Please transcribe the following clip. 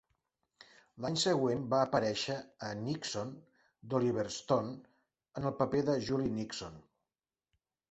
L'any següent va aparèixer a "Nixon", d'Oliver Stone, en el paper de Julie Nixon.